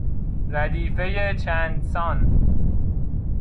ردیفهی چندسان